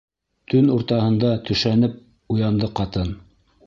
Төн уртаһында төшәнеп уянды ҡатын.